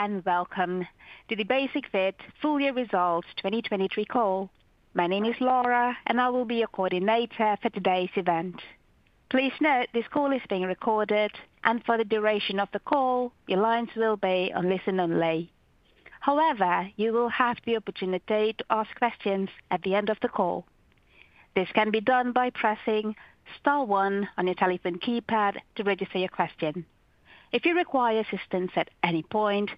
Hello and welcome to the Basic-Fit Full Year Results 2023 call. My name is Laura and I will be your coordinator for today's event. Please note this call is being recorded and for the duration of the call your lines will be on listen only. However, you will have the opportunity to ask questions at the end of the call. This can be done by pressing star one on your telephone keypad to register your question. If you require assistance at any point,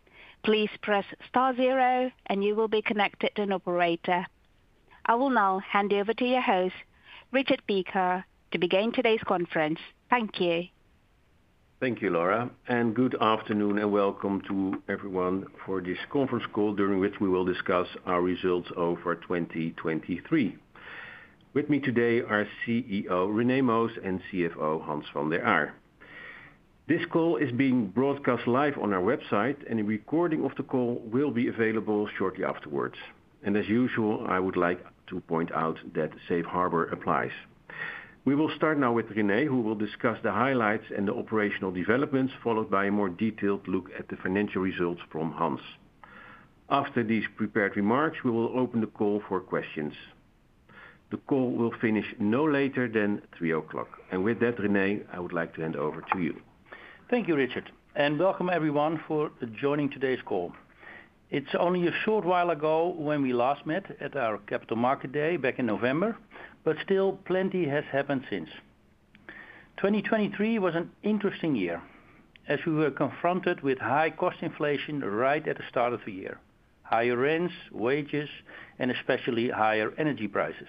please press star zero and you will be connected to an operator. I will now hand you over to your host, Richard Piekaar, to begin today's conference. Thank you. Thank you, Laura. Good afternoon and welcome to everyone for this conference call during which we will discuss our results over 2023. With me today are CEO René Moos and CFO Hans van der Aar. This call is being broadcast live on our website and a recording of the call will be available shortly afterwards. As usual, I would like to point out that Safe Harbor applies. We will start now with René who will discuss the highlights and the operational developments followed by a more detailed look at the financial results from Hans. After these prepared remarks, we will open the call for questions. The call will finish no later than 3:00 P.M. With that, René, I would like to hand over to you. Thank you, Richard. Welcome everyone for joining today's call. It's only a short while ago when we last met at our Capital Market Day back in November, but still plenty has happened since. 2023 was an interesting year as we were confronted with high cost inflation right at the start of the year, higher rents, wages, and especially higher energy prices.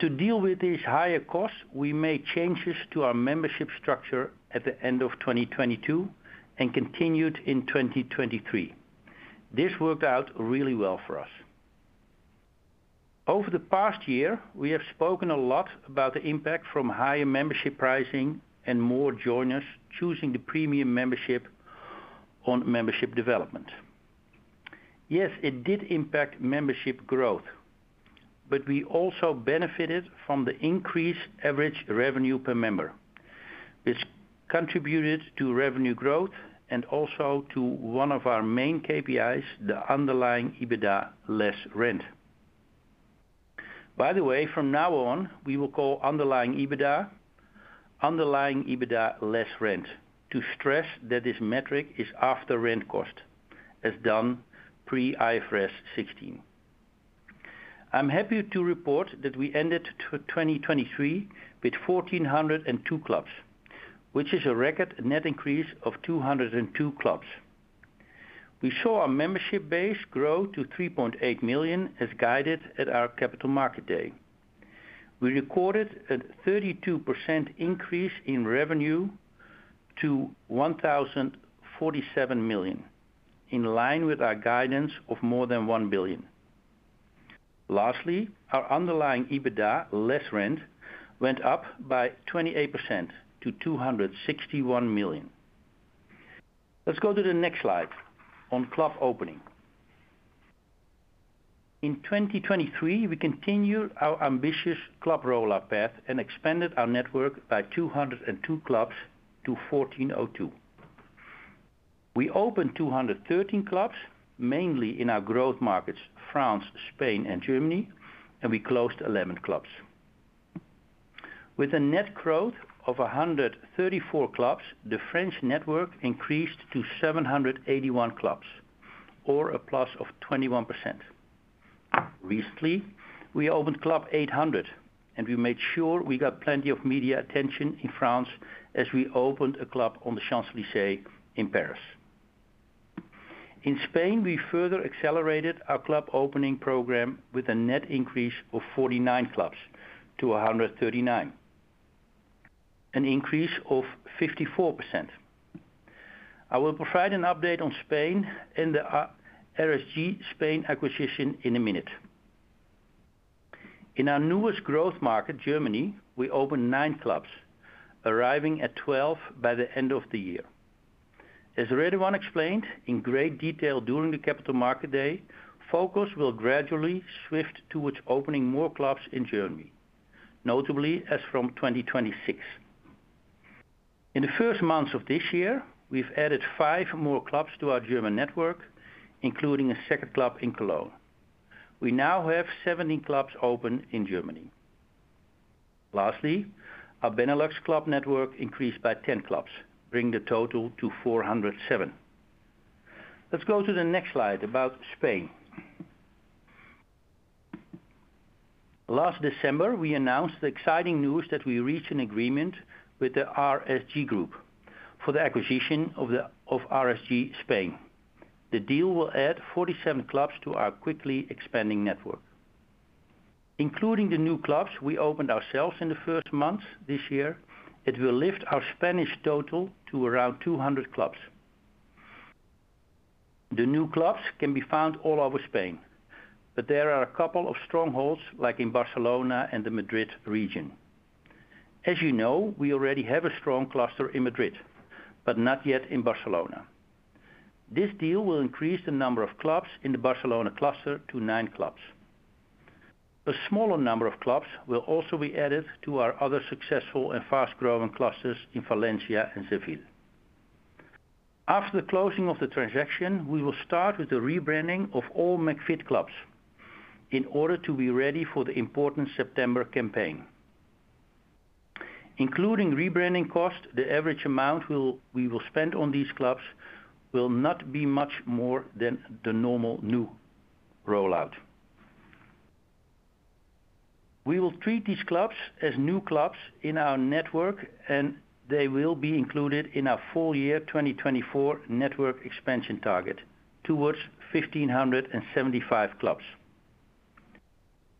To deal with these higher costs, we made changes to our membership structure at the end of 2022 and continued in 2023. This worked out really well for us. Over the past year, we have spoken a lot about the impact from higher membership pricing and more joiners choosing the Premium membership on membership development. Yes, it did impact membership growth, but we also benefited from the increased average revenue per member. This contributed to revenue growth and also to one of our main KPIs, the Underlying EBITDA less rent. By the way, from now on, we will call underlying EBITDA Underlying EBITDA less rent to stress that this metric is after rent cost as done pre-IFRS 16. I'm happy to report that we ended 2023 with 1,402 clubs, which is a record net increase of 202 clubs. We saw our membership base grow to 3.8 million as guided at our Capital Market Day. We recorded a 32% increase in revenue to 1,047 million in line with our guidance of more than 1 billion. Lastly, our Underlying EBITDA less rent went up by 28% to 261 million. Let's go to the next slide on club opening. In 2023, we continued our ambitious club rollout path and expanded our network by 202 clubs to 1,402. We opened 213 clubs mainly in our growth markets, France, Spain, and Germany, and we closed 11 clubs. With a net growth of 134 clubs, the French network increased to 781 clubs, or a plus of 21%. Recently, we opened club 800 and we made sure we got plenty of media attention in France as we opened a club on the Champs-Élysées in Paris. In Spain, we further accelerated our club opening program with a net increase of 49 clubs to 139, an increase of 54%. I will provide an update on Spain and the RSG Spain acquisition in a minute. In our newest growth market, Germany, we opened nine clubs, arriving at 12 by the end of the year. As René once explained in great detail during the Capital Market Day, focus will gradually shift towards opening more clubs in Germany, notably as from 2026. In the first months of this year, we've added five more clubs to our German network, including a second club in Cologne. We now have 17 clubs open in Germany. Lastly, our Benelux club network increased by 10 clubs, bringing the total to 407. Let's go to the next slide about Spain. Last December, we announced the exciting news that we reached an agreement with the RSG Group for the acquisition of RSG Spain. The deal will add 47 clubs to our quickly expanding network. Including the new clubs we opened ourselves in the first months this year, it will lift our Spanish total to around 200 clubs. The new clubs can be found all over Spain, but there are a couple of strongholds like in Barcelona and the Madrid region. As you know, we already have a strong cluster in Madrid, but not yet in Barcelona. This deal will increase the number of clubs in the Barcelona cluster to nine clubs. A smaller number of clubs will also be added to our other successful and fast-growing clusters in Valencia and Seville. After the closing of the transaction, we will start with the rebranding of all McFIT clubs in order to be ready for the important September campaign. Including rebranding cost, the average amount we will spend on these clubs will not be much more than the normal new rollout. We will treat these clubs as new clubs in our network and they will be included in our full year 2024 network expansion target towards 1,575 clubs.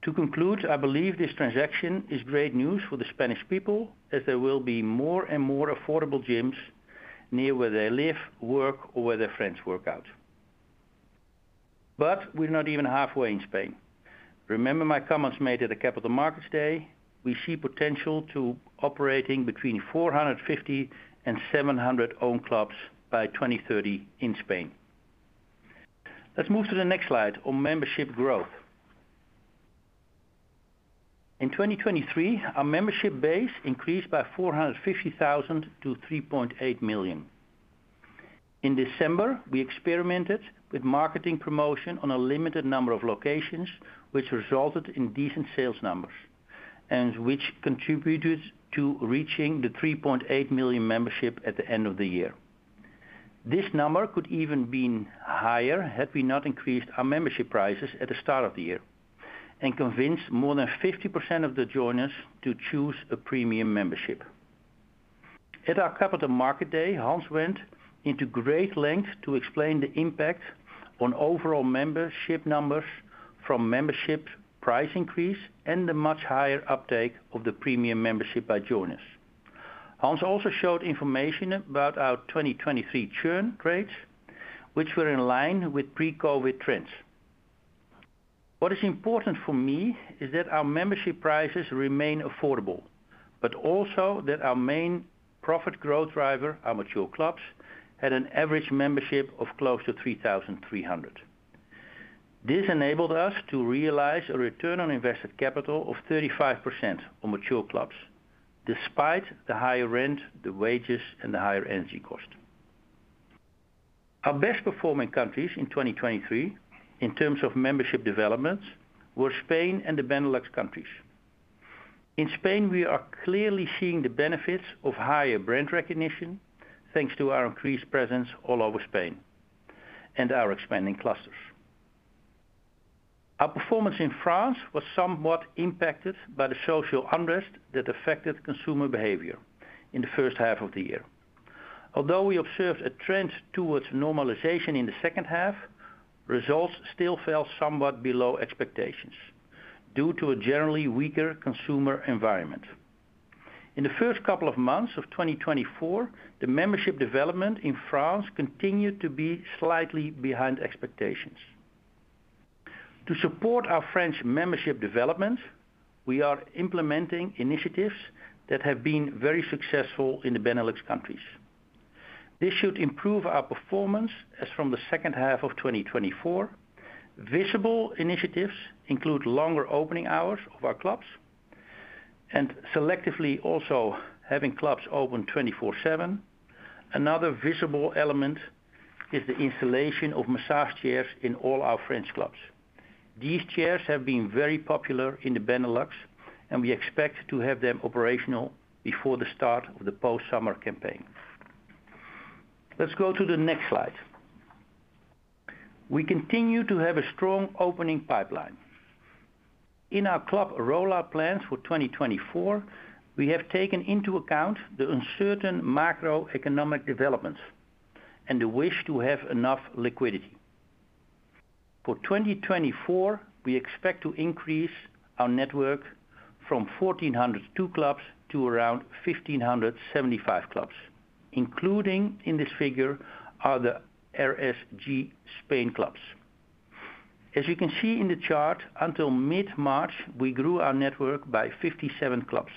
To conclude, I believe this transaction is great news for the Spanish people as there will be more and more affordable gyms near where they live, work, or where their friends work out. But we're not even halfway in Spain. Remember my comments made at the Capital Markets Day? We see potential to operating between 450-700 owned clubs by 2030 in Spain. Let's move to the next slide on membership growth. In 2023, our membership base increased by 450,000 to 3.8 million. In December, we experimented with marketing promotion on a limited number of locations, which resulted in decent sales numbers and which contributed to reaching the 3.8 million membership at the end of the year. This number could even be higher had we not increased our membership prices at the start of the year and convinced more than 50% of the joiners to choose a Premium membership. At our Capital Markets Day, Hans went into great length to explain the impact on overall membership numbers from membership price increase and the much higher uptake of the Premium membership by joiners. Hans also showed information about our 2023 churn rates, which were in line with pre-COVID trends. What is important for me is that our membership prices remain affordable, but also that our main profit growth driver, our mature clubs, had an average membership of close to 3,300. This enabled us to realize a return on invested capital of 35% on mature clubs despite the higher rent, the wages, and the higher energy cost. Our best performing countries in 2023 in terms of membership developments were Spain and the Benelux countries. In Spain, we are clearly seeing the benefits of higher brand recognition thanks to our increased presence all over Spain and our expanding clusters. Our performance in France was somewhat impacted by the social unrest that affected consumer behavior in the first half of the year. Although we observed a trend towards normalization in the second half, results still fell somewhat below expectations due to a generally weaker consumer environment. In the first couple of months of 2024, the membership development in France continued to be slightly behind expectations. To support our French membership development, we are implementing initiatives that have been very successful in the Benelux countries. This should improve our performance as from the second half of 2024. Visible initiatives include longer opening hours of our clubs and selectively also having clubs open 24/7. Another visible element is the installation of massage chairs in all our French clubs. These chairs have been very popular in the Benelux and we expect to have them operational before the start of the post-summer campaign. Let's go to the next slide. We continue to have a strong opening pipeline. In our club rollout plans for 2024, we have taken into account the uncertain macroeconomic developments and the wish to have enough liquidity. For 2024, we expect to increase our network from 1,402 clubs to around 1,575 clubs, including in this figure are the RSG Spain clubs. As you can see in the chart, until mid-March, we grew our network by 57 clubs.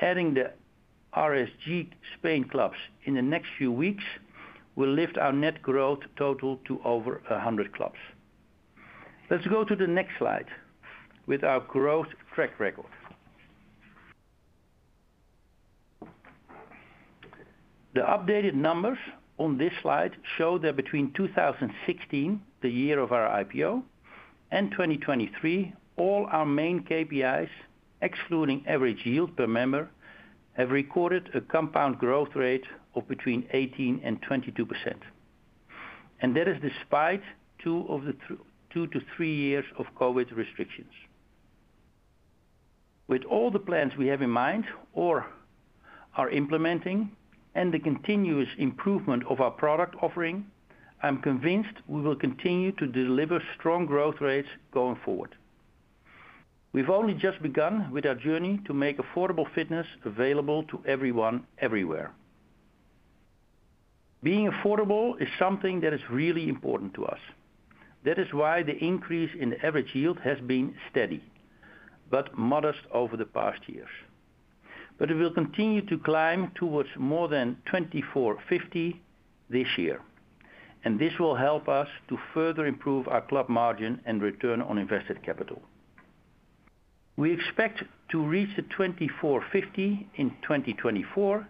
Adding the RSG Spain clubs in the next few weeks will lift our net growth total to over 100 clubs. Let's go to the next slide with our growth track record. The updated numbers on this slide show that between 2016, the year of our IPO, and 2023, all our main KPIs, excluding average yield per member, have recorded a compound growth rate of between 18% and 22%. And that is despite two of the two to three years of COVID restrictions. With all the plans we have in mind or are implementing and the continuous improvement of our product offering, I'm convinced we will continue to deliver strong growth rates going forward. We've only just begun with our journey to make affordable fitness available to everyone everywhere. Being affordable is something that is really important to us. That is why the increase in the average yield has been steady, but modest over the past years. But it will continue to climb towards more than 2,450 this year. And this will help us to further improve our club margin and return on invested capital. We expect to reach the 2,450 in 2024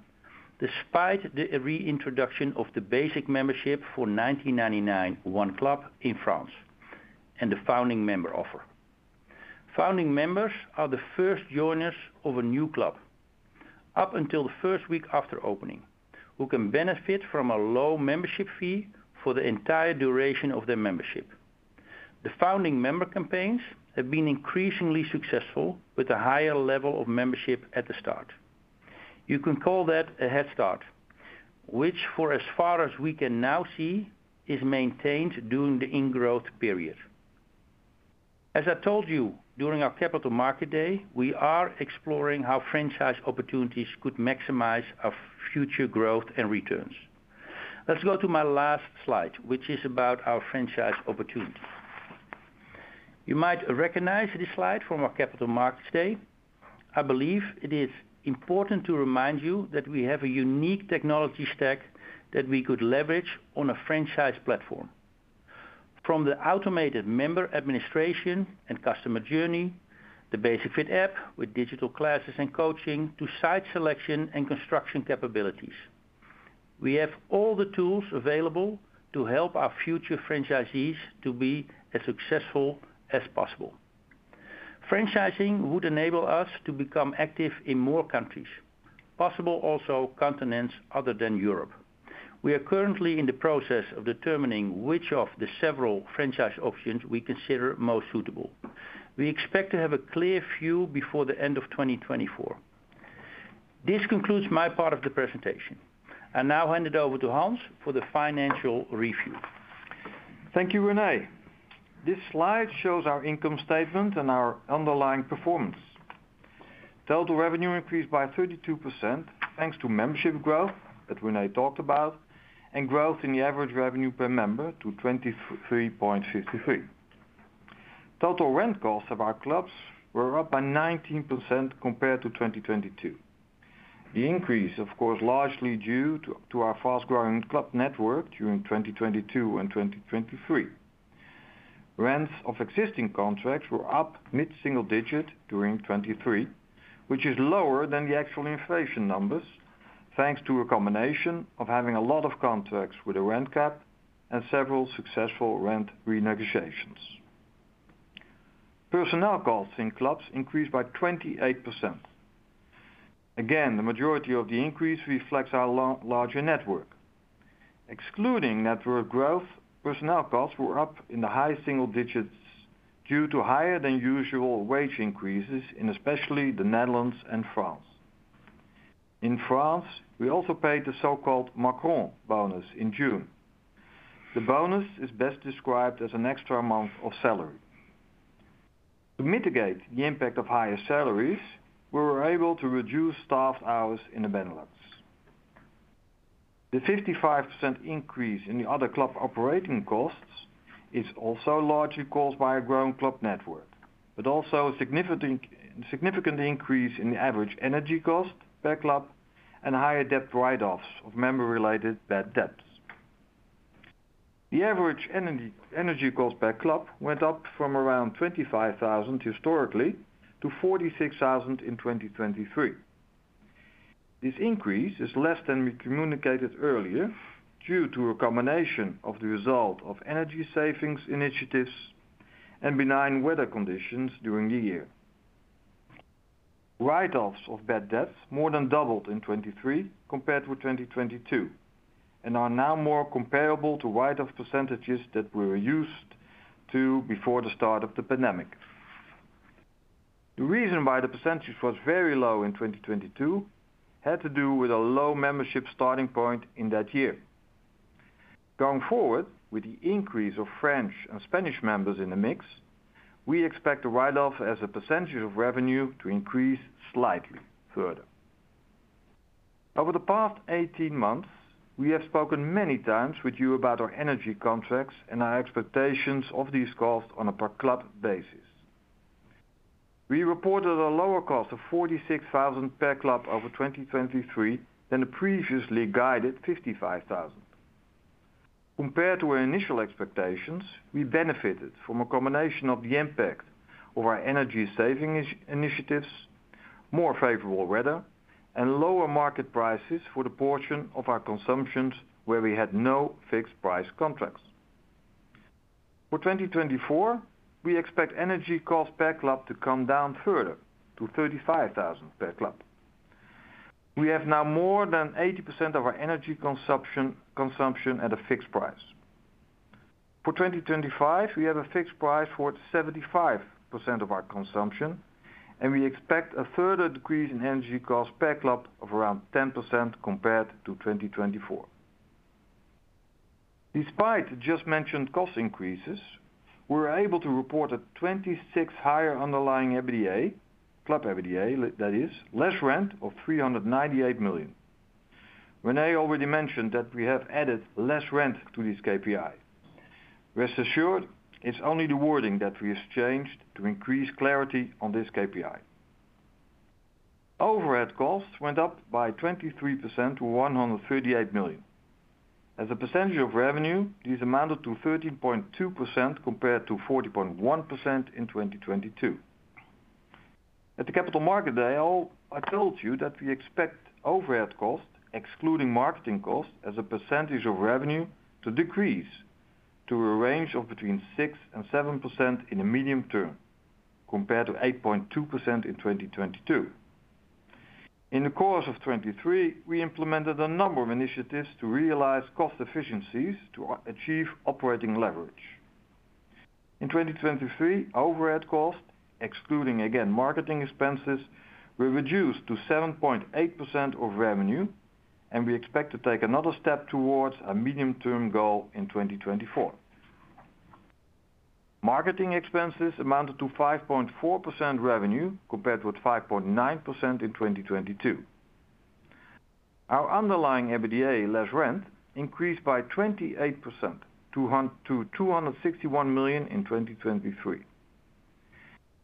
despite the reintroduction of the Basic membership for 19.99 in one club in France and the founding member offer. Founding Members are the first joiners of a new club up until the first week after opening who can benefit from a low membership fee for the entire duration of their membership. The Founding Member campaigns have been increasingly successful with a higher level of membership at the start. You can call that a head start, which, for as far as we can now see, is maintained during the ingrowth period. As I told you during our Capital Markets Day, we are exploring how franchise opportunities could maximize our future growth and returns. Let's go to my last slide, which is about our franchise opportunities. You might recognize this slide from our Capital Markets Day. I believe it is important to remind you that we have a unique technology stack that we could leverage on a franchise platform. From the automated member administration and customer journey, the Basic-Fit app with digital classes and coaching, to site selection and construction capabilities. We have all the tools available to help our future franchisees to be as successful as possible. Franchising would enable us to become active in more countries, possibly also continents other than Europe. We are currently in the process of determining which of the several franchise options we consider most suitable. We expect to have a clear view before the end of 2024. This concludes my part of the presentation. I now hand it over to Hans for the financial review. Thank you, René. This slide shows our income statement and our underlying performance. Total revenue increased by 32% thanks to membership growth that René talked about and growth in the average revenue per member to 23.53. Total rent costs of our clubs were up by 19% compared to 2022. The increase, of course, largely due to our fast-growing club network during 2022 and 2023. Rents of existing contracts were up mid-single digit during 2023, which is lower than the actual inflation numbers thanks to a combination of having a lot of contracts with a rent cap and several successful rent renegotiations. Personnel costs in clubs increased by 28%. Again, the majority of the increase reflects our larger network. Excluding network growth, personnel costs were up in the high single digits due to higher than usual wage increases in especially the Netherlands and France. In France, we also paid the so-called Macron bonus in June. The bonus is best described as an extra month of salary. To mitigate the impact of higher salaries, we were able to reduce staffed hours in the Benelux. The 55% increase in the other club operating costs is also largely caused by a growing club network, but also a significant increase in the average energy cost per club and higher debt write-offs of member-related bad debts. The average energy cost per club went up from around 25,000 historically to 46,000 in 2023. This increase is less than we communicated earlier due to a combination of the result of energy savings initiatives and benign weather conditions during the year. Write-offs of bad debts more than doubled in 2023 compared with 2022 and are now more comparable to write-off percentages that were used to before the start of the pandemic. The reason why the percentage was very low in 2022 had to do with a low membership starting point in that year. Going forward, with the increase of French and Spanish members in the mix, we expect the write-off as a percentage of revenue to increase slightly further. Over the past 18 months, we have spoken many times with you about our energy contracts and our expectations of these costs on a per-club basis. We reported a lower cost of 46,000 per club over 2023 than the previously guided 55,000. Compared to our initial expectations, we benefited from a combination of the impact of our energy savings initiatives, more favorable weather, and lower market prices for the portion of our consumptions where we had no fixed price contracts. For 2024, we expect energy costs per club to come down further to 35,000 per club. We have now more than 80% of our energy consumption at a fixed price. For 2025, we have a fixed price for 75% of our consumption, and we expect a further decrease in energy costs per club of around 10% compared to 2024. Despite just mentioned cost increases, we were able to report 26% higher underlying EBITDA, club EBITDA that is, less rent of 398 million. René already mentioned that we have added less rent to this KPI. Rest assured, it's only the wording that we have changed to increase clarity on this KPI. Overhead costs went up by 23% to 138 million. As a percentage of revenue, these amounted to 13.2% compared to 40.1% in 2022. At the Capital Market Day, I told you that we expect overhead costs, excluding marketing costs as a percentage of revenue, to decrease to a range of between 6%-7% in a medium term compared to 8.2% in 2022. In the course of 2023, we implemented a number of initiatives to realize cost efficiencies to achieve operating leverage. In 2023, overhead costs, excluding again marketing expenses, were reduced to 7.8% of revenue, and we expect to take another step towards our medium-term goal in 2024. Marketing expenses amounted to 5.4% revenue compared with 5.9% in 2022. Our underlying EBITDA, less rent, increased by 28% to 261 million in 2023.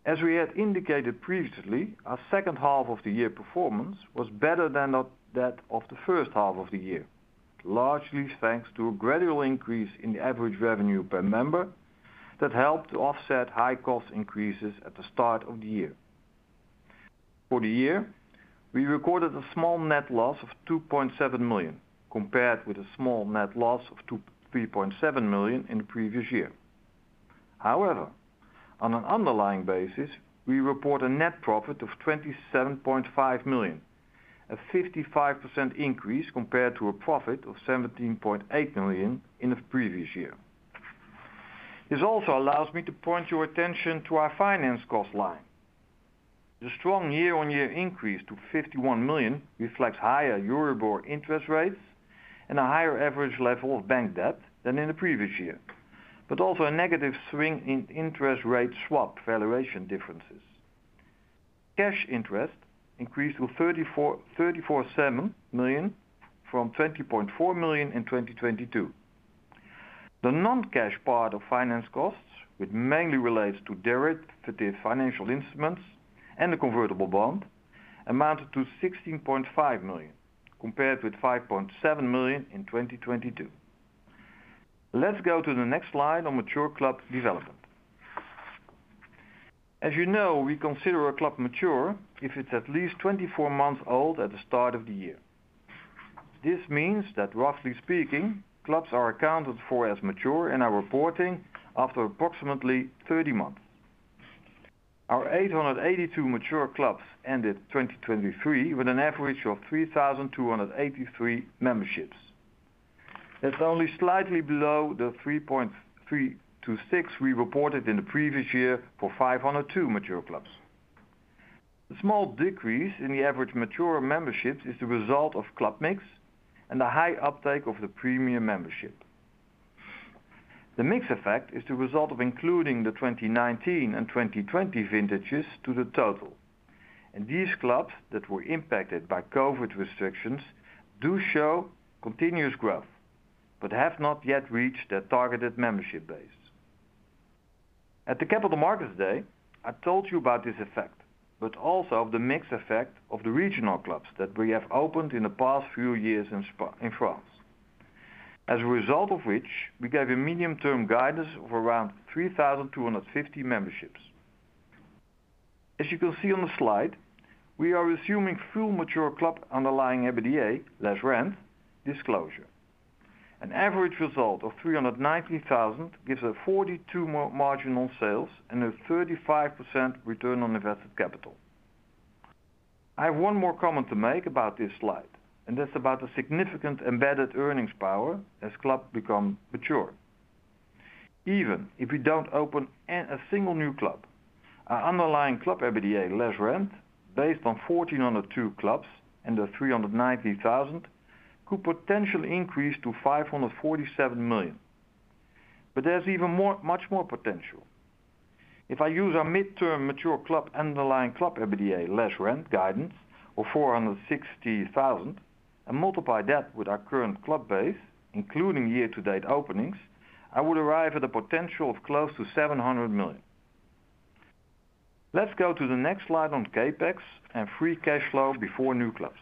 As we had indicated previously, our second half of the year performance was better than that of the first half of the year, largely thanks to a gradual increase in the average revenue per member that helped to offset high cost increases at the start of the year. For the year, we recorded a small net loss of 2.7 million compared with a small net loss of 3.7 million in the previous year. However, on an underlying basis, we report a net profit of 27.5 million, a 55% increase compared to a profit of 17.8 million in the previous year. This also allows me to point your attention to our finance cost line. The strong year-on-year increase to 51 million reflects higher Euribor interest rates and a higher average level of bank debt than in the previous year, but also a negative swing in interest rate swap valuation differences. Cash interest increased to 34.7 million from 20.4 million in 2022. The non-cash part of finance costs, which mainly relates to derivative financial instruments and the convertible bond, amounted to 16.5 million compared with 5.7 million in 2022. Let's go to the next slide on mature club development. As you know, we consider a club mature if it's at least 24 months old at the start of the year. This means that, roughly speaking, clubs are accounted for as mature in our reporting after approximately 30 months. Our 882 mature clubs ended 2023 with an average of 3,283 memberships. That's only slightly below the 3,326 we reported in the previous year for 502 mature clubs. The small decrease in the average mature memberships is the result of club mix and the high uptake of the Premium membership. The mix effect is the result of including the 2019 and 2020 vintages to the total. And these clubs that were impacted by COVID restrictions do show continuous growth, but have not yet reached their targeted membership base. At the Capital Markets Day, I told you about this effect, but also of the mix effect of the regional clubs that we have opened in the past few years in France. As a result of which, we gave a medium-term guidance of around 3,250 memberships. As you can see on the slide, we are assuming full mature club underlying EBITDA less rent disclosure. An average result of 390,000 gives a 42% marginal sales and a 35% return on invested capital. I have one more comment to make about this slide, and that's about the significant embedded earnings power as clubs become mature. Even if we don't open a single new club, our underlying club EBITDA less rent, based on 1,402 clubs and the 390,000, could potentially increase to 547 million. But there's even more much more potential. If I use our mid-term mature club underlying club EBITDA less rent guidance of 460,000 and multiply that with our current club base, including year-to-date openings, I would arrive at a potential of close to 700 million. Let's go to the next slide on CapEx and free cash flow before new clubs.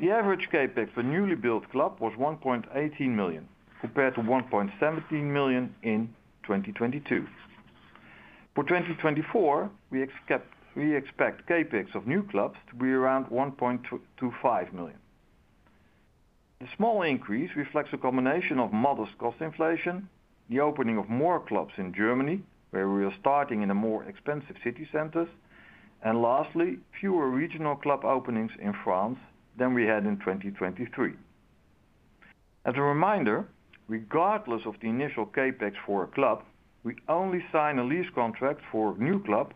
The average CapEx for newly built clubs was 1.18 million compared to 1.17 million in 2022. For 2024, we expect CapEx of new clubs to be around 1.25 million. The small increase reflects a combination of modest cost inflation, the opening of more clubs in Germany, where we are starting in the more expensive city centers, and lastly, fewer regional club openings in France than we had in 2023. As a reminder, regardless of the initial CapEx for a club, we only sign a lease contract for a new club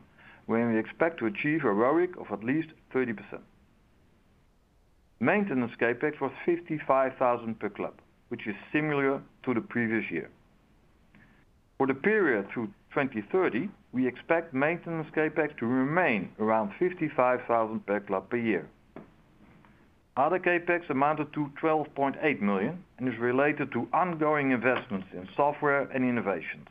when we expect to achieve a ROIC of at least 30%. Maintenance CapEx was 55,000 per club, which is similar to the previous year. For the period through 2030, we expect maintenance CapEx to remain around 55,000 per club per year. Other CapEx amounted to 12.8 million and is related to ongoing investments in software and innovations.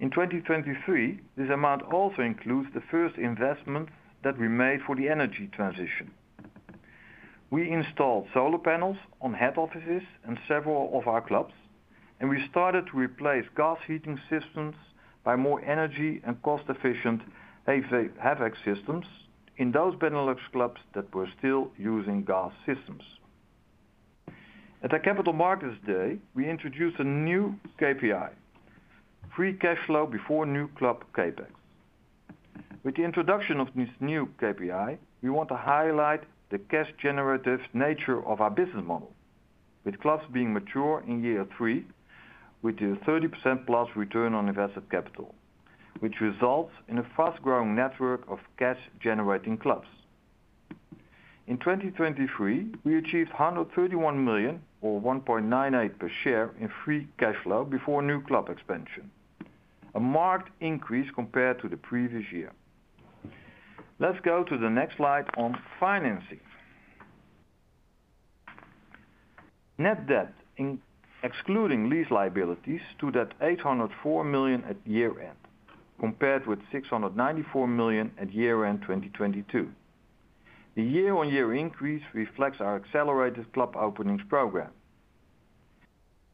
In 2023, this amount also includes the first investments that we made for the energy transition. We installed solar panels on head offices and several of our clubs, and we started to replace gas heating systems by more energy and cost-efficient HVAC systems in those Benelux clubs that were still using gas systems. At the Capital Markets Day, we introduced a new KPI: free cash flow before new club CapEx. With the introduction of this new KPI, we want to highlight the cash-generative nature of our business model, with clubs being mature in year three, with the 30%+ return on invested capital, which results in a fast-growing network of cash-generating clubs. In 2023, we achieved 131 million or 1.98 per share in free cash flow before new club expansion, a marked increase compared to the previous year. Let's go to the next slide on financing. Net debt, excluding lease liabilities, stood at 804 million at year-end compared with 694 million at year-end 2022. The year-on-year increase reflects our accelerated club openings program.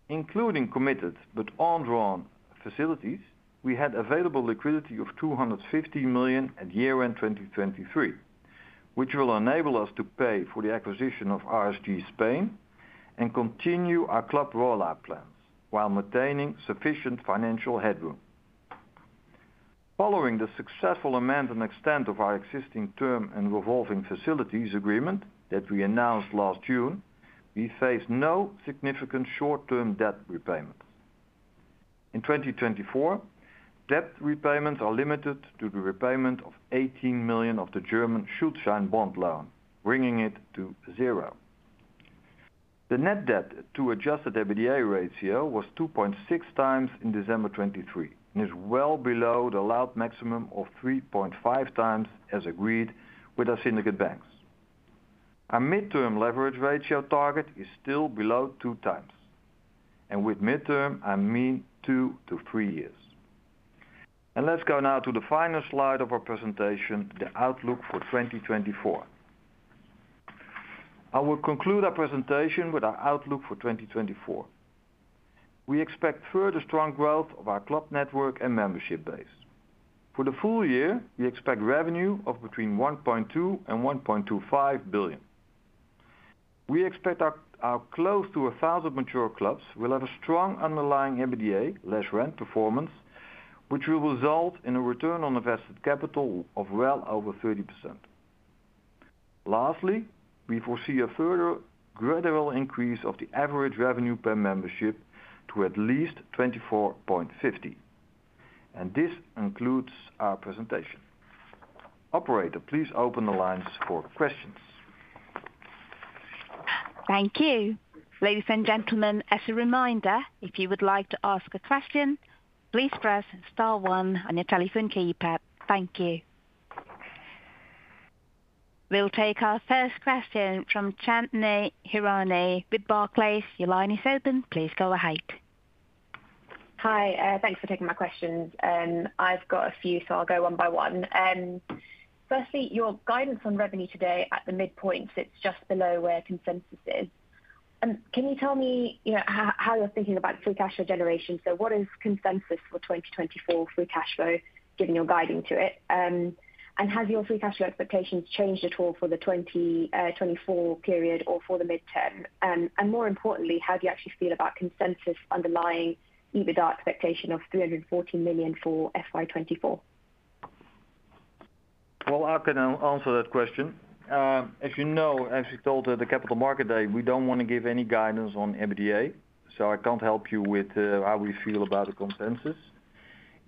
Including committed but undrawn facilities, we had available liquidity of 250 million at year-end 2023, which will enable us to pay for the acquisition of RSG Spain and continue our club rollout plans while maintaining sufficient financial headroom. Following the successful amendment and extension of our existing term and revolving facilities agreement that we announced last June, we faced no significant short-term debt repayment. In 2024, debt repayments are limited to the repayment of 18 million of the German Schuldschein bond loan, bringing it to zero. The net debt to Adjusted EBITDA ratio was 2.6x in December 2023 and is well below the allowed maximum of 3.5x as agreed with our syndicate banks. Our mid-term leverage ratio target is still below two times. And with mid-term, I mean two to three years. And let's go now to the final slide of our presentation, the outlook for 2024. I will conclude our presentation with our outlook for 2024. We expect further strong growth of our club network and membership base. For the full year, we expect revenue of between 1.2 billion and 1.25 billion. We expect our close to 1,000 mature clubs will have a strong underlying EBITDA less rent performance, which will result in a return on invested capital of well over 30%. Lastly, we foresee a further gradual increase of the average revenue per membership to at least 24.50. And this includes our presentation. Operator, please open the lines for questions. Thank you. Ladies and gentlemen, as a reminder, if you would like to ask a question, please press star one on your telephone keypad. Thank you. We'll take our first question from Chandni Hirani with Barclays. Your line is open. Please go ahead. Hi. Thanks for taking my questions. I've got a few, so I'll go one by one. Firstly, your guidance on revenue today at the midpoint, so it's just below where consensus is. Can you tell me how you're thinking about free cash flow generation? So what is consensus for 2024 free cash flow, given your guiding to it? And has your free cash flow expectations changed at all for the 2024 period or for the midterm? And more importantly, how do you actually feel about consensus underlying EBITDA expectation of 340 million for FY 2024? Well, I can answer that question. As you know, as we told at the Capital Markets Day, we don't want to give any guidance on EBITDA, so I can't help you with how we feel about the consensus.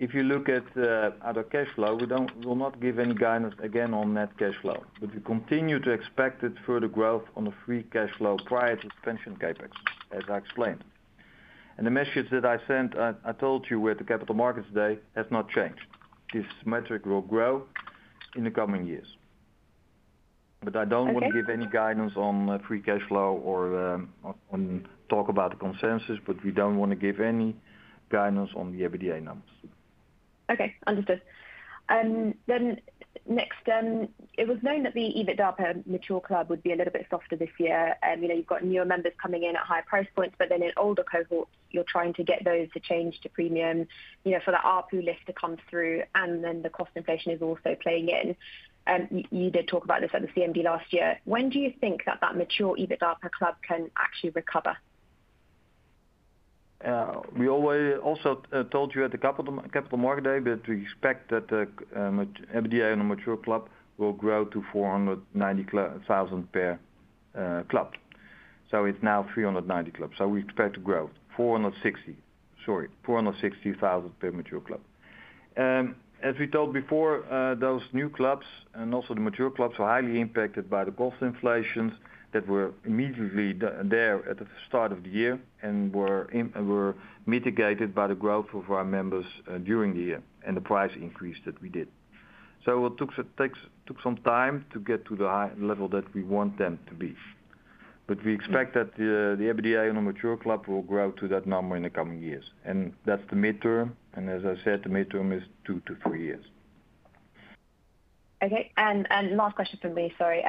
If you look at our cash flow, we will not give any guidance again on net cash flow, but we continue to expect further growth on the free cash flow prior to expansion CapEx, as I explained. The message that I sent, I told you with the Capital Markets Day, has not changed. This metric will grow in the coming years. I don't want to give any guidance on free cash flow or talk about the consensus, but we don't want to give any guidance on the EBITDA numbers. Okay. Understood. Then next, it was known that the EBITDA per mature club would be a little bit softer this year. You've got newer members coming in at higher price points, but then in older cohorts, you're trying to get those to change to Premium for the ARPU lift to come through, and then the cost inflation is also playing in. You did talk about this at the CMD last year. When do you think that mature EBITDA per club can actually recover? We also told you at the Capital Market Day that we expect that the EBITDA on a mature club will grow to 490,000 per club. So it's now 390,000. So we expect to grow to 490,000 per mature club. As we told before, those new clubs and also the mature clubs are highly impacted by the cost inflations that were immediately there at the start of the year and were mitigated by the growth of our members during the year and the price increase that we did. So it took some time to get to the high level that we want them to be. But we expect that the EBITDA on a mature club will grow to that number in the coming years. And that's the midterm. And as I said, the midterm is two to three years. Okay. And last question from me, sorry.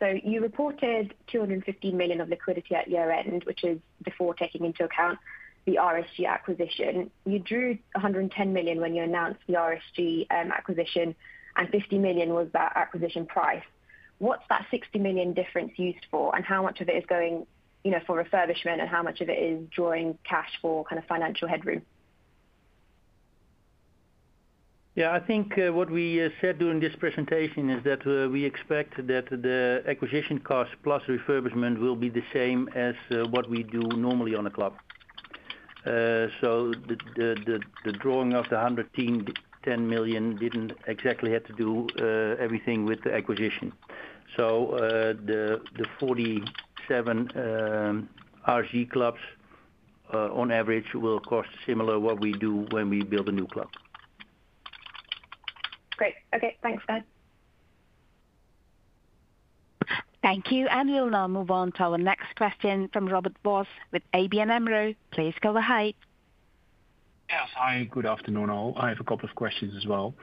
So you reported 215 million of liquidity at year-end, which is before taking into account the RSG acquisition. You drew 110 million when you announced the RSG acquisition, and 50 million was that acquisition price. What's that 60 million difference used for, and how much of it is going for refurbishment, and how much of it is drawing cash for kind of financial headroom? Yeah. I think what we said during this presentation is that we expect that the acquisition cost plus refurbishment will be the same as what we do normally on a club. So the drawing of the 110 million didn't exactly have to do everything with the acquisition. So the 47 RSG clubs, on average, will cost similar to what we do when we build a new club. Great. Okay. Thanks, René. Thank you. And we'll now move on to our next question from Robert Vos with ABN AMRO. Please go ahead. Yes. Hi. Good afternoon, all. I have a couple of questions as well.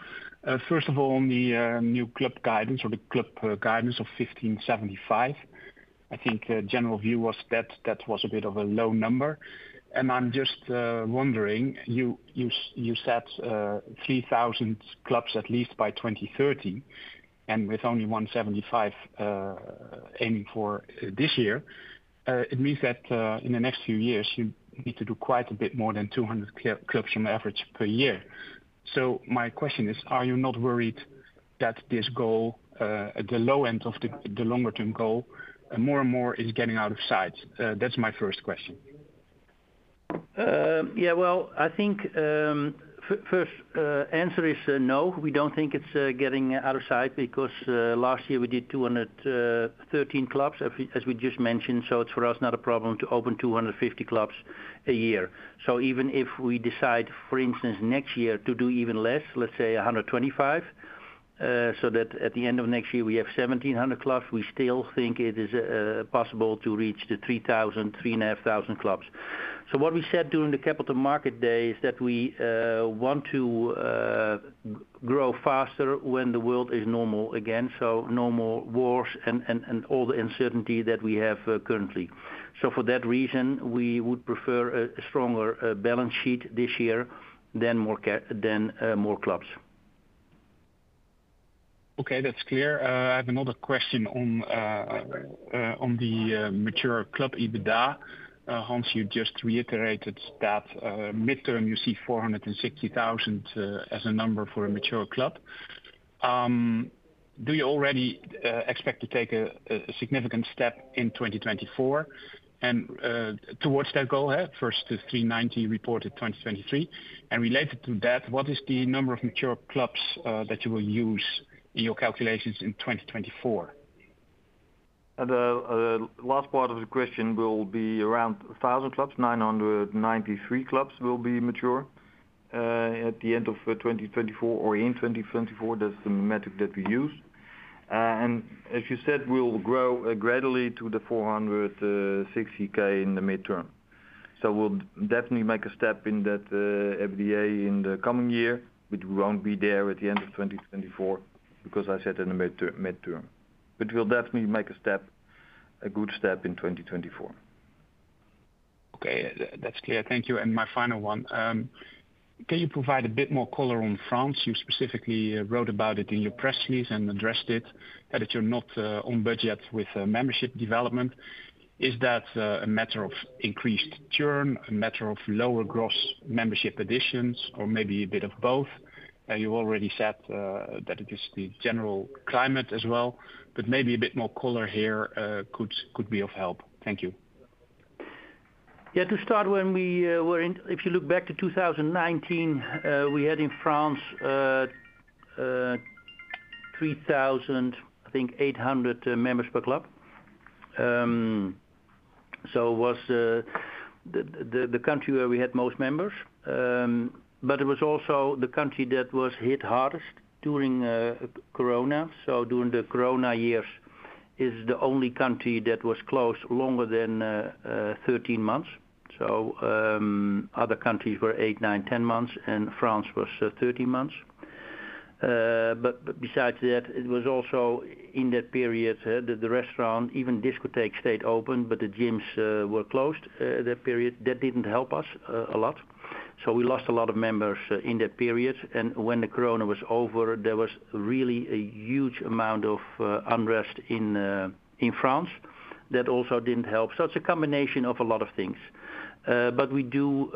First of all, on the new club guidance or the club guidance of 1575, I think the general view was that that was a bit of a low number. I'm just wondering, you said 3,000 clubs at least by 2030, and with only 175 aiming for this year, it means that in the next few years, you need to do quite a bit more than 200 clubs on average per year. My question is, are you not worried that this goal, the low end of the longer-term goal, more and more is getting out of sight? That's my first question. Yeah. Well, I think first answer is no. We don't think it's getting out of sight because last year, we did 213 clubs, as we just mentioned. It's for us not a problem to open 250 clubs a year. So even if we decide, for instance, next year to do even less, let's say 125, so that at the end of next year, we have 1,700 clubs, we still think it is possible to reach the 3,000, 3,500 clubs. So what we said during the Capital Market Day is that we want to grow faster when the world is normal again, so normal wars and all the uncertainty that we have currently. So for that reason, we would prefer a stronger balance sheet this year than more clubs. Okay. That's clear. I have another question on the mature club EBITDA. Hans, you just reiterated that midterm, you see 460,000 as a number for a mature club. Do you already expect to take a significant step in 2024 towards that goal, first to 390 reported 2023? Related to that, what is the number of mature clubs that you will use in your calculations in 2024? The last part of the question will be around 1,000 clubs. 993 clubs will be mature at the end of 2024 or in 2024. That's the metric that we use. And as you said, we'll grow gradually to the 460,000 in the midterm. So we'll definitely make a step in that EBITDA in the coming year, but we won't be there at the end of 2024 because I said in the midterm. But we'll definitely make a step, a good step in 2024. Okay. That's clear. Thank you. And my final one. Can you provide a bit more color on France? You specifically wrote about it in your press release and addressed it, that you're not on budget with membership development. Is that a matter of increased churn, a matter of lower gross membership additions, or maybe a bit of both? You already said that it is the general climate as well, but maybe a bit more color here could be of help. Thank you. Yeah. To start, when we were in, if you look back to 2019, we had in France 3,000, I think, 800 members per club. So it was the country where we had most members. But it was also the country that was hit hardest during corona. So during the corona years, it's the only country that was closed longer than 13 months. So other countries were eight, nine, 10 months, and France was 13 months. But besides that, it was also in that period that the restaurant, even discotheques, stayed open, but the gyms were closed that period. That didn't help us a lot. We lost a lot of members in that period. When the corona was over, there was really a huge amount of unrest in France. That also didn't help. It's a combination of a lot of things. We do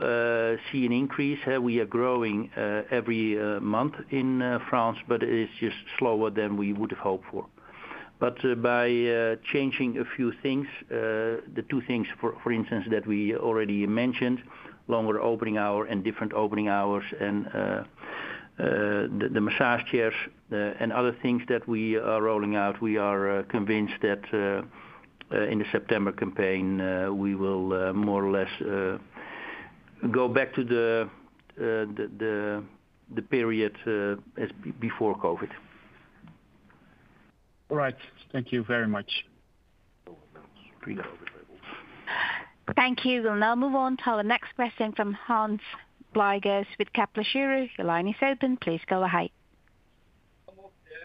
see an increase. We are growing every month in France, but it is just slower than we would have hoped for. By changing a few things, the two things, for instance, that we already mentioned, longer opening hour and different opening hours and the massage chairs and other things that we are rolling out, we are convinced that in the September campaign, we will more or less go back to the period as before COVID. All right. Thank you very much. Thank you. We'll now move on to our next question from Hans Pluijgers with Kepler Cheuvreux. Your line is open. Please go ahead.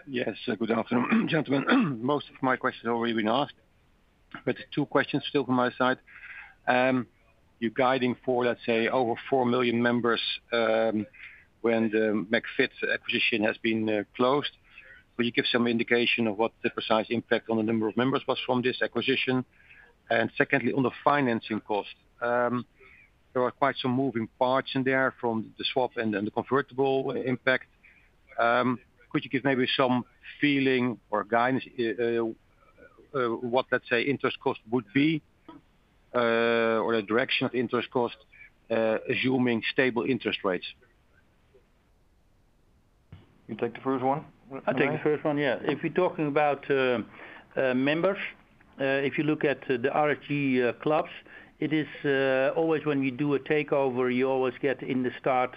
Yes. Good afternoon, gentlemen. Most of my questions have already been asked, but two questions still from my side. You're guiding for, let's say, over four million members when the McFIT acquisition has been closed. Could you give some indication of what the precise impact on the number of members was from this acquisition? And secondly, on the financing cost, there are quite some moving parts in there from the swap and the convertible impact. Could you give maybe some feeling or guidance what, let's say, interest cost would be or the direction of interest cost assuming stable interest rates? You take the first one? I take the first one. Yeah. If we're talking about members, if you look at the RSG clubs, it is always when you do a takeover, you always get in the start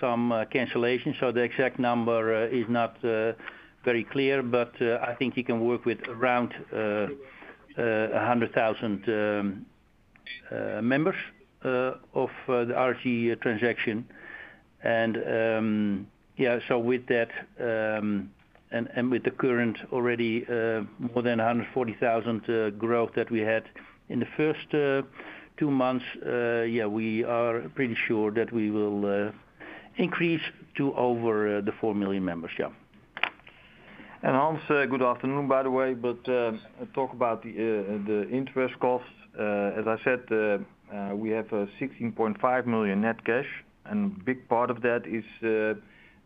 some cancellation. So the exact number is not very clear, but I think you can work with around 100,000 members of the RSG transaction. And yeah. So with that and with the current already more than 140,000 growth that we had in the first two months, yeah, we are pretty sure that we will increase to over the four million members. Yeah. And Hans, good afternoon, by the way. But talk about the interest costs. As I said, we have 16.5 million net cash, and a big part of that is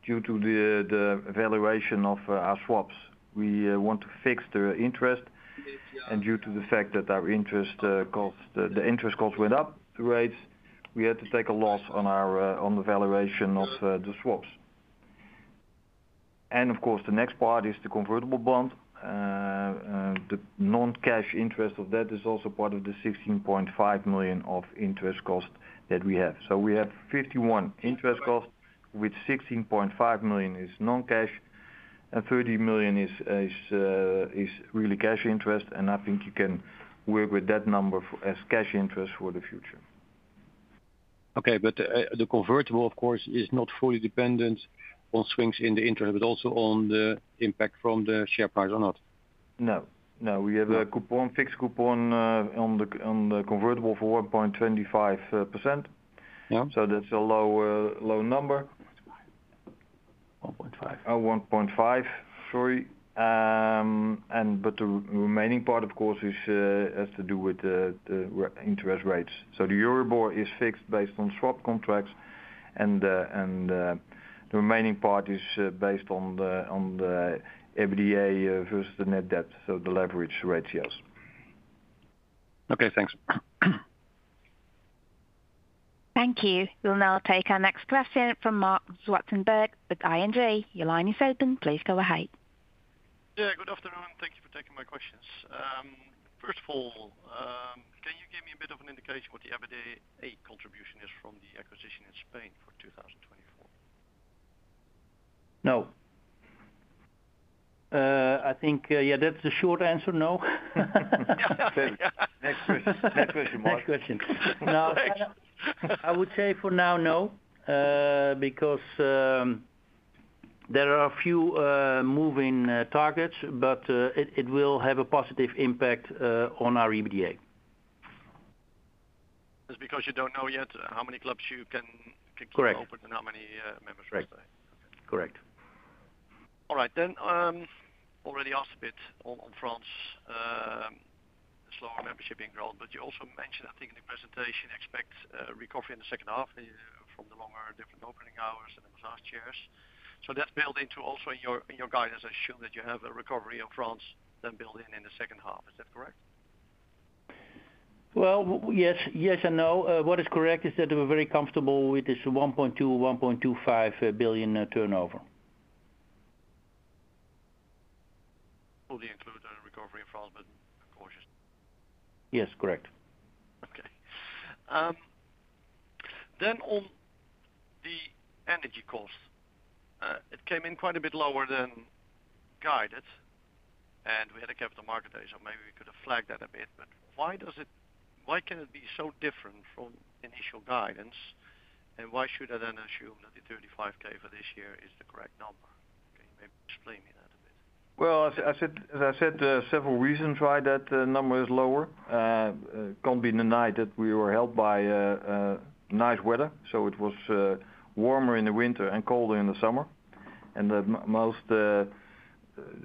due to the valuation of our swaps. We want to fix the interest. And due to the fact that our interest costs, the interest costs went up, the rates, we had to take a loss on the valuation of the swaps. And of course, the next part is the convertible bond. The non-cash interest of that is also part of the 16.5 million of interest cost that we have. So we have 51 million interest costs, with 16.5 million is non-cash and 30 million is really cash interest. And I think you can work with that number as cash interest for the future. Okay. But the convertible, of course, is not fully dependent on swings in the interest, but also on the impact from the share price or not? No. No. We have a fixed coupon on the convertible for 1.25%. So that's a low number. 1.5. Oh, 1.5%. Sorry. But the remaining part, of course, has to do with the interest rates. So the Euribor is fixed based on swap contracts, and the remaining part is based on the EBITDA versus the net debt, so the leverage ratios. Okay. Thanks. Thank you. We'll now take our next question from Marc Zwartsenburg with ING. Your line is open. Please go ahead. Yeah. Good afternoon. Thank you for taking my questions. First of all, can you give me a bit of an indication what the EBITDA contribution is from the acquisition in Spain for 2024? No. I think, yeah, that's the short answer. No. Okay. Next question. Next question, Marc. Next question. Now, I would say for now, no because there are a few moving targets, but it will have a positive impact on our EBITDA. That's because you don't know yet how many clubs you can keep open and how many members stay? Correct. Correct. All right. Then. Already asked a bit on France, the slower membership being grown, but you also mentioned, I think, in the presentation, expect recovery in the second half from the longer, different opening hours and the massage chairs. So that's built into also in your guidance, I assume, that you have a recovery in France then built in in the second half. Is that correct? Well, yes. Yes and no. What is correct is that we're very comfortable with this 1.2 billion-1.25 billion turnover. Fully include the recovery in France, but cautious. Yes. Correct. Okay. Then on the energy cost, it came in quite a bit lower than guided, and we had a Capital Market Day, so maybe we could have flagged that a bit. But why can it be so different from initial guidance, and why should I then assume that the 35,000 for this year is the correct number? Can you maybe explain me that a bit? Well, as I said, several reasons why that number is lower. It cannot be denied that we were helped by nice weather. So it was warmer in the winter and colder in the summer. And the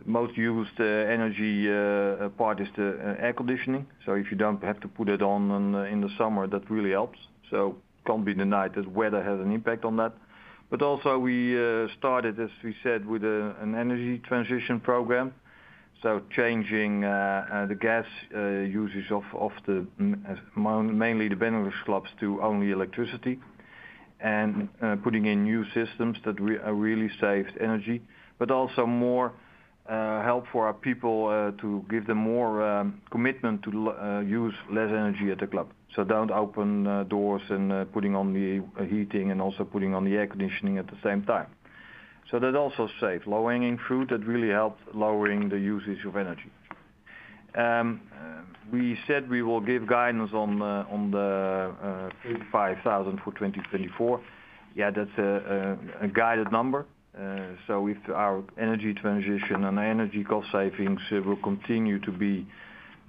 most used energy part is the air conditioning. So if you don't have to put it on in the summer, that really helps. So it cannot be denied that weather has an impact on that. But also, we started, as we said, with an energy transition program, so changing the gas usage of mainly the Benelux clubs to only electricity and putting in new systems that really saved energy, but also more help for our people to give them more commitment to use less energy at the club, so don't open doors and putting on the heating and also putting on the air conditioning at the same time. So that also saved low-hanging fruit. That really helped lowering the usage of energy. We said we will give guidance on the 35,000 for 2024. Yeah. That's a guided number. So if our energy transition and energy cost savings will continue to be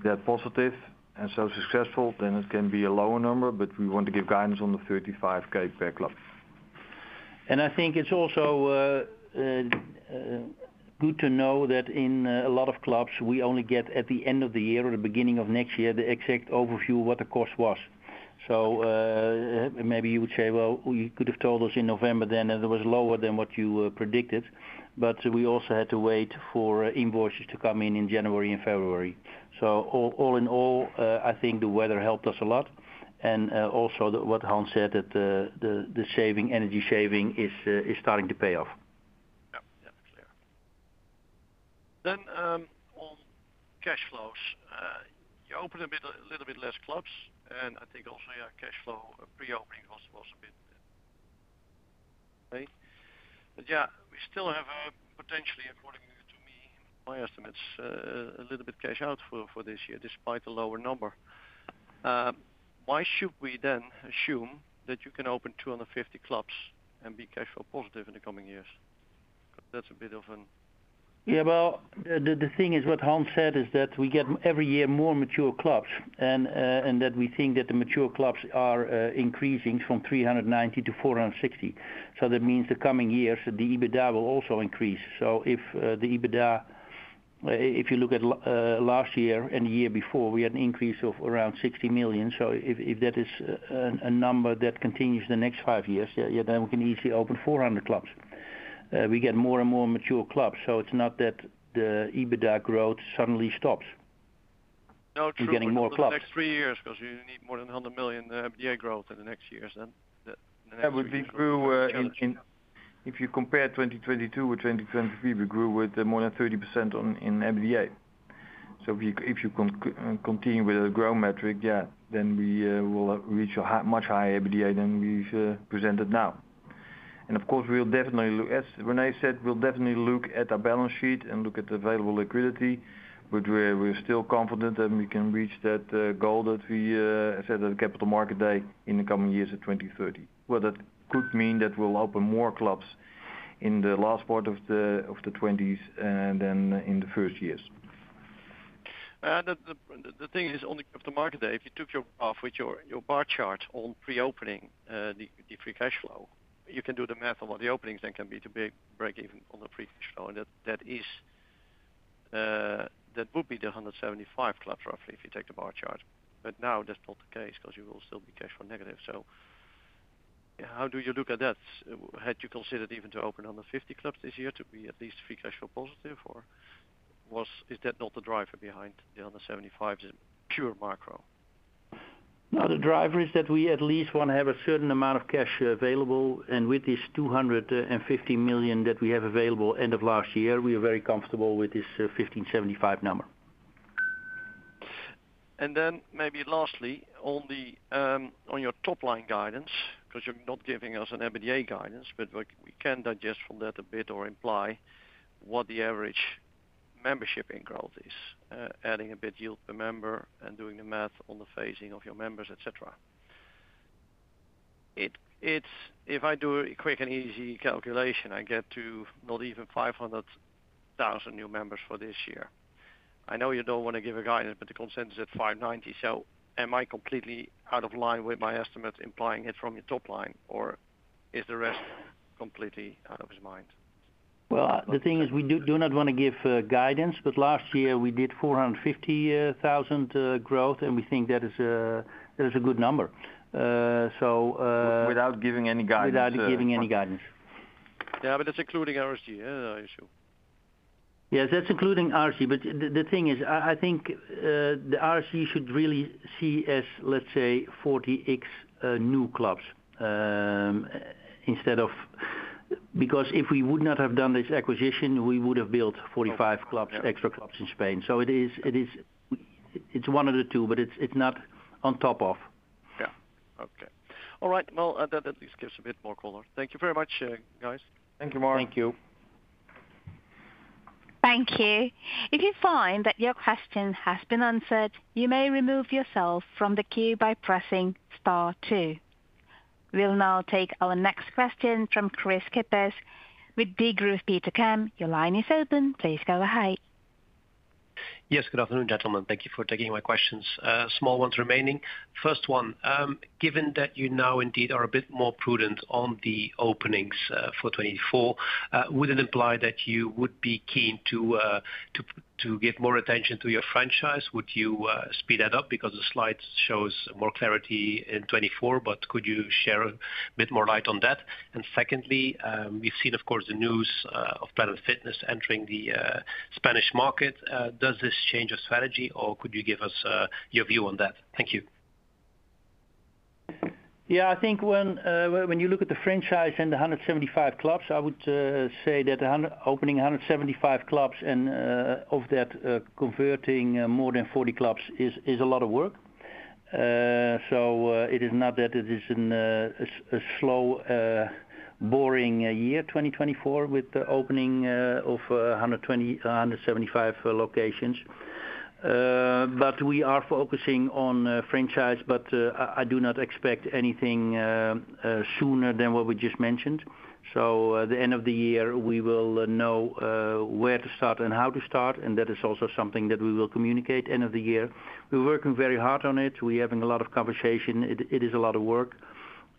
that positive and so successful, then it can be a lower number, but we want to give guidance on the 35,000 per club. I think it's also good to know that in a lot of clubs, we only get at the end of the year or the beginning of next year the exact overview of what the cost was. So maybe you would say, "Well, you could have told us in November then that it was lower than what you predicted." But we also had to wait for invoices to come in in January and February. So all in all, I think the weather helped us a lot and also what Hans said, that the energy saving is starting to pay off. Yeah. Yeah. That's clear. On cash flows, you open a little bit less clubs, and I think also, yeah, cash flow pre-opening was a bit okay. But yeah, we still have potentially, according to me, my estimates, a little bit cash out for this year despite the lower number. Why should we then assume that you can open 250 clubs and be cash flow positive in the coming years? Yeah. Well, the thing is what Hans said is that we get every year more mature clubs and that we think that the mature clubs are increasing from 390-460. So that means the coming years, the EBITDA will also increase. So if you look at last year and the year before, we had an increase of around 60 million. So if that is a number that continues the next five years, yeah, then we can easily open 400 clubs. We get more and more mature clubs. So it's not that the EBITDA growth suddenly stops. No. True. We're getting more clubs. In the next three years because you need more than 100 million EBITDA growth in the next years then. In the next three years. Yeah. If you compare 2022 with 2023, we grew with more than 30% in EBITDA. So if you continue with a growth metric, yeah, then we will reach a much higher EBITDA than we've presented now. And of course, we'll definitely look as René said, we'll definitely look at our balance sheet and look at the available liquidity, but we're still confident that we can reach that goal that we set at Capital Market Day in the coming years at 2030. Well, that could mean that we'll open more clubs in the last part of the '20s than in the first years. The thing is on the Capital Market Day, if you took your graph with your bar chart on pre-opening the free cash flow, you can do the math on what the openings then can be to break even on the free cash flow. That would be the 175 clubs roughly if you take the bar chart. But now that's not the case because you will still be cash flow negative. So how do you look at that? Had you considered even to open 150 clubs this year to be at least free cash flow positive, or is that not the driver behind the 175? Is it pure macro? No. The driver is that we at least want to have a certain amount of cash available. And with this 250 million that we have available end of last year, we are very comfortable with this 1,575 number. And then maybe lastly, on your top-line guidance because you're not giving us an EBITDA guidance, but we can digest from that a bit or imply what the average membership increase is, adding a bit yield per member and doing the math on the phasing of your members, etc. If I do a quick and easy calculation, I get to not even 500,000 new members for this year. I know you don't want to give a guidance, but the consensus is at 590,000. So am I completely out of line with my estimate implying it from your top line, or is the rest completely out of his mind? Well, the thing is we do not want to give guidance, but last year, we did 450,000 growth, and we think that is a good number. Without giving any guidance. Without giving any guidance. Yeah. But that's including RSG issue. Yes. That's including RSG. But the thing is, I think the RSG should really see as, let's say, 40 new clubs instead of because if we would not have done this acquisition, we would have built 45 extra clubs in Spain. So it's one of the two, but it's not on top of. Yeah. Okay. All right. Well, that at least gives a bit more color. Thank you very much, guys. Thank you, Marc. Thank you. Thank you. If you find that your question has been answered, you may remove yourself from the queue by pressing star two. We'll now take our next question from Kris Kippers with Degroof Petercam. Your line is open. Please go ahead. Yes. Good afternoon, gentlemen. Thank you for taking my questions. Small ones remaining. First one, given that you now indeed are a bit more prudent on the openings for 2024, would it imply that you would be keen to give more attention to your franchise? Would you speed that up because the slide shows more clarity in 2024, but could you share a bit more light on that? And secondly, we've seen, of course, the news of Planet Fitness entering the Spanish market. Does this change your strategy, or could you give us your view on that? Thank you. Yeah. I think when you look at the franchise and the 175 clubs, I would say that opening 175 clubs and of that converting more than 40 clubs is a lot of work. So it is not that it is a slow, boring year, 2024, with the opening of 175 locations. But we are focusing on franchise, but I do not expect anything sooner than what we just mentioned. So the end of the year, we will know where to start and how to start, and that is also something that we will communicate end of the year. We're working very hard on it. We're having a lot of conversation. It is a lot of work.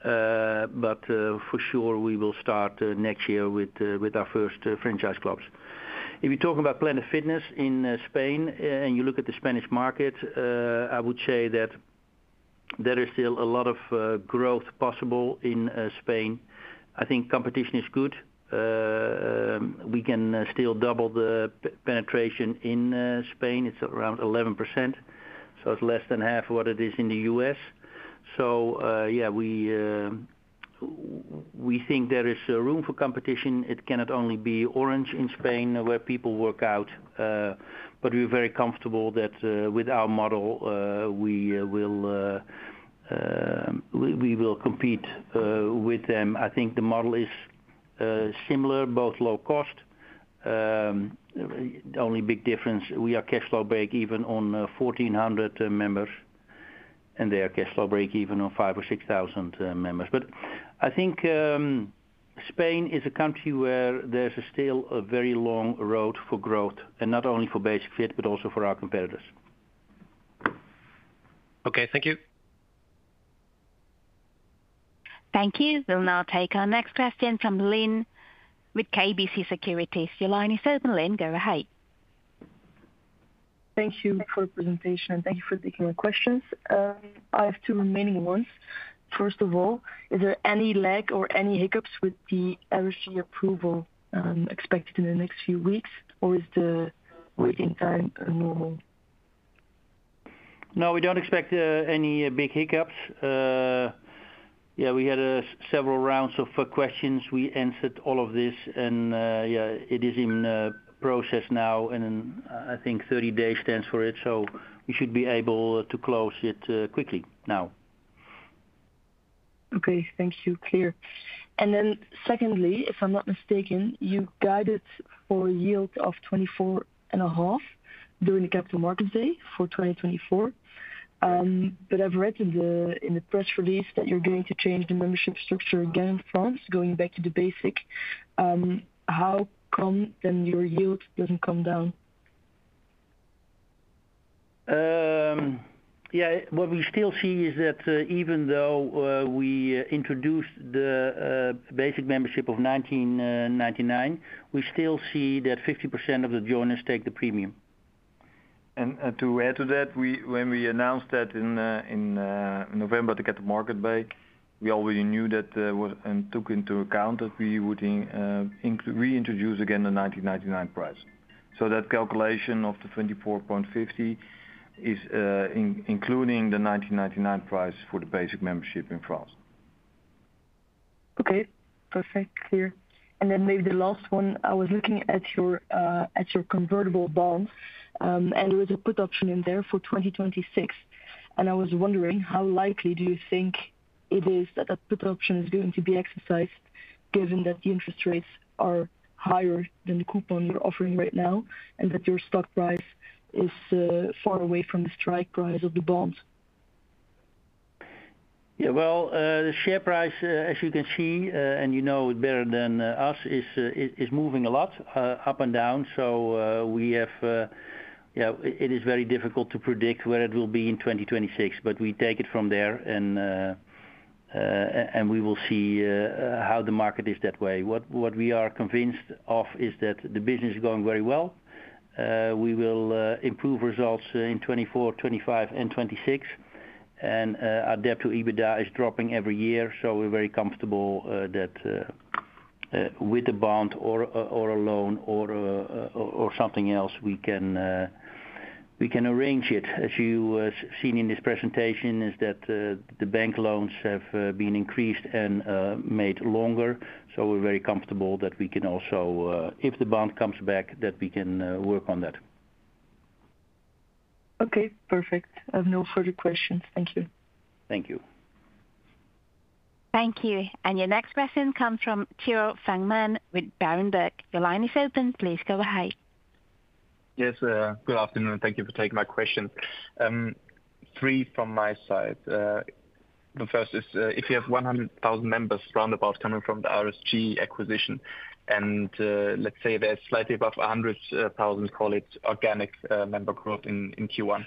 But for sure, we will start next year with our first franchise clubs. If you're talking about Planet Fitness in Spain and you look at the Spanish market, I would say that there is still a lot of growth possible in Spain. I think competition is good. We can still double the penetration in Spain. It's around 11%. So it's less than half what it is in the U.S. So yeah, we think there is room for competition. It cannot only be orange in Spain where people work out, but we're very comfortable that with our model, we will compete with them. I think the model is similar, both low cost. The only big difference, we are cash flow break even on 1,400 members, and they are cash flow break even on 5,000 or 6,000 members. But I think Spain is a country where there's still a very long road for growth and not only for Basic-Fit but also for our competitors. Okay. Thank you. Thank you. We'll now take our next question from Lynn with KBC Securities. Your line is open, Lynn. Go ahead. Thank you for the presentation, and thank you for taking my questions. I have two remaining ones. First of all, is there any lag or any hiccups with the RSG approval expected in the next few weeks, or is the waiting time normal? No. We don't expect any big hiccups. Yeah. We had several rounds of questions. We answered all of this, and yeah, it is in process now, and I think 30 days stands for it. So we should be able to close it quickly now. Okay. Thank you. Clear. And then secondly, if I'm not mistaken, you guided for a yield of 24.5 during the Capital Market Day for 2024. But I've read in the press release that you're going to change the membership structure again in France, going back to the Basic. How come then your yield doesn't come down? Yeah. What we still see is that even though we introduced the Basic membership of 19.99, we still see that 50% of the joiners take the Premium. And to add to that, when we announced that in November at the Capital Markets Day, we already knew that and took into account that we would reintroduce again the 19.99 price. So that calculation of the 24.50 is including the 19.99 price for the Basic membership in France. Okay. Perfect. Clear. And then maybe the last one, I was looking at your convertible bonds, and there was a put option in there for 2026. And I was wondering, how likely do you think it is that that put option is going to be exercised given that the interest rates are higher than the coupon you're offering right now and that your stock price is far away from the strike price of the bonds? Yeah. Well, the share price, as you can see and you know it better than us, is moving a lot up and down. So yeah, it is very difficult to predict where it will be in 2026, but we take it from there, and we will see how the market is that way. What we are convinced of is that the business is going very well. We will improve results in 2024, 2025, and 2026. And our debt to EBITDA is dropping every year, so we're very comfortable that with a bond or a loan or something else, we can arrange it. As you have seen in this presentation, is that the bank loans have been increased and made longer. So we're very comfortable that we can also if the bond comes back, that we can work on that. Okay. Perfect. I have no further questions. Thank you. Thank you. Thank you. And your next question comes from Tore Fangmann with Berenberg. Your line is open. Please go ahead. Yes. Good afternoon. Thank you for taking my question. Three from my side. The first is if you have 100,000 members roundabout coming from the RSG acquisition, and let's say they're slightly above 100,000, call it organic member growth in Q1,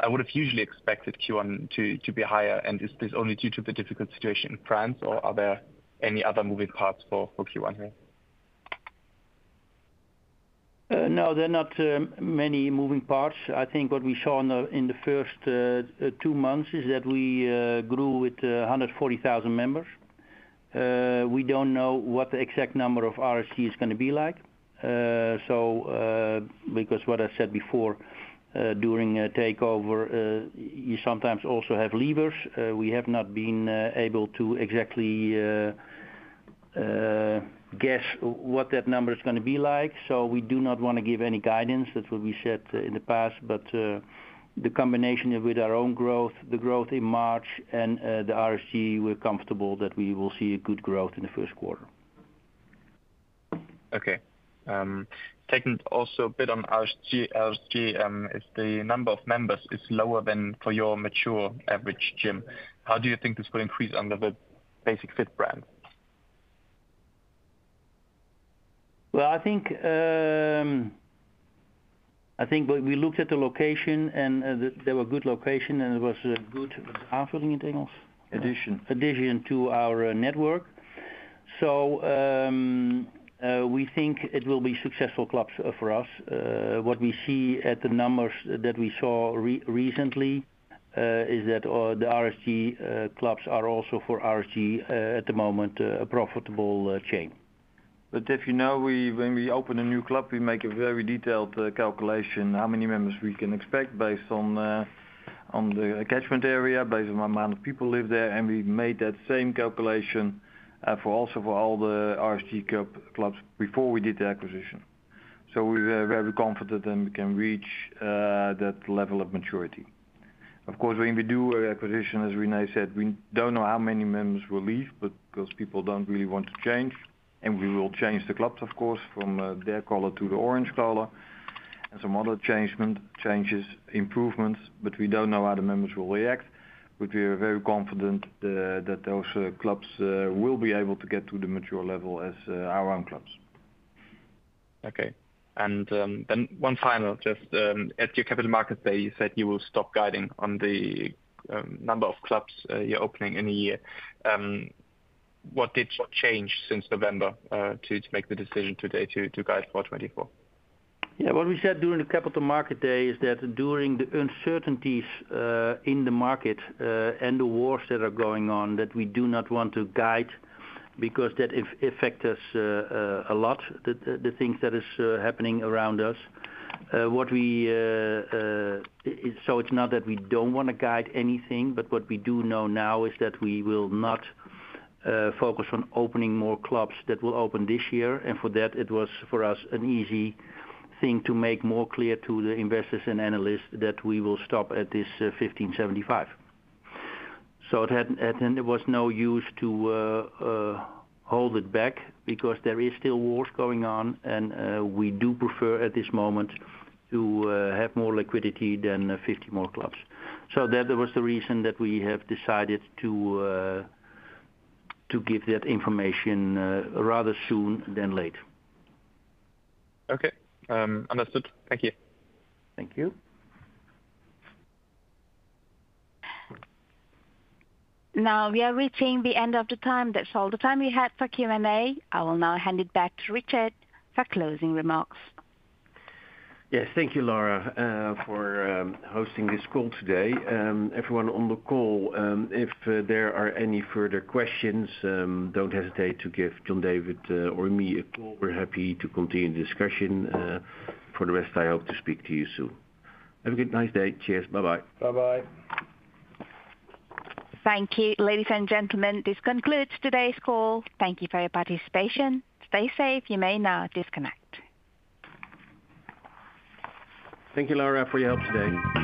I would have usually expected Q1 to be higher. And is this only due to the difficult situation in France, or are there any other moving parts for Q1 here? No. There are not many moving parts. I think what we saw in the first two months is that we grew with 140,000 members. We don't know what the exact number of RSG is going to be like because what I said before during takeover, you sometimes also have leavers. We have not been able to exactly guess what that number is going to be like. So we do not want to give any guidance. That's what we said in the past. But the combination with our own growth, the growth in March, and the RSG, we're comfortable that we will see a good growth in the first quarter. Okay. Taking also a bit on RSG, if the number of members is lower than for your mature average gym, how do you think this will increase under the Basic-Fit brand? Well, I think we looked at the location, and they were good location, and it was a good addition to our network. So we think it will be successful clubs for us. What we see at the numbers that we saw recently is that the RSG clubs are also for RSG at the moment, a profitable chain. But if you know, when we open a new club, we make a very detailed calculation how many members we can expect based on the attachment area, based on how many people live there. And we made that same calculation also for all the RSG clubs before we did the acquisition. So we're very confident that we can reach that level of maturity. Of course, when we do an acquisition, as René said, we don't know how many members will leave because people don't really want to change. And we will change the clubs, of course, from their color to the orange color and some other changes, improvements. But we don't know how the members will react. But we are very confident that those clubs will be able to get to the mature level as our own clubs. Okay. And then one final, just at your Capital Market Day, you said you will stop guiding on the number of clubs you're opening in a year. What did change since November to make the decision today to guide for 2024? Yeah. What we said during the Capital Market Day is that during the uncertainties in the market and the wars that are going on, that we do not want to guide because that affects us a lot, the things that is happening around us. So it's not that we don't want to guide anything, but what we do know now is that we will not focus on opening more clubs that will open this year. For that, it was for us an easy thing to make more clear to the investors and analysts that we will stop at this 1,575. So there was no use to hold it back because there are still wars going on, and we do prefer at this moment to have more liquidity than 50 more clubs. So that was the reason that we have decided to give that information rather soon than late. Okay. Understood. Thank you. Thank you. Now, we are reaching the end of the time. That's all the time we had for Q&A. I will now hand it back to Richard for closing remarks. Yes. Thank you, Laura, for hosting this call today. Everyone on the call, if there are any further questions, don't hesitate to give John David or me a call. We're happy to continue the discussion. For the rest, I hope to speak to you soon. Have a good nice day. Cheers. Bye-bye. Bye-bye. Thank you, ladies and gentlemen. This concludes today's call. Thank you for your participation. Stay safe. You may now disconnect. Thank you, Laura, for your help today.